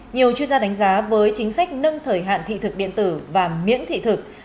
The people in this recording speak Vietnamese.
nhiều chuyên gia đánh giá với chính sách nâng thời hạn thị thực điện tử và miễn thị thực